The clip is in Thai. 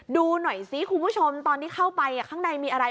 ดูหน่อยซิคุณผู้ชมตอนที่เข้าไปข้างในมีอะไร